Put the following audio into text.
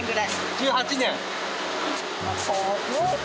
１８年。